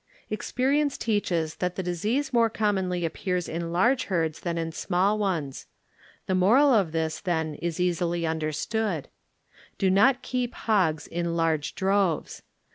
Experience teaches that the disease more commonly appears in large herds than ill small ones. The moral of this, tiien, ii easily understood. Do not keep hogs in large droves.